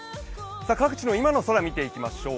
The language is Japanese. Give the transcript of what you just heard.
各地の今の空を見ていきましょう。